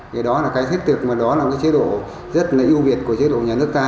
thì đó là cái thiết thực mà đó là một cái chế độ rất là ưu việt của chế độ nhà nước ta